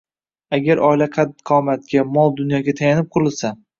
Agar oila qaddi-qomatga, mol-dunyoga tayanib qurilsa